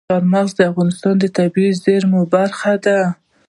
چار مغز د افغانستان د طبیعي زیرمو برخه ده.